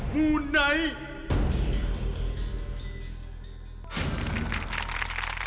มูไนท์